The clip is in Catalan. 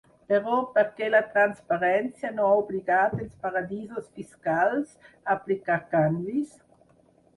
Però per què la transparència no ha obligat els paradisos fiscals a aplicar canvis?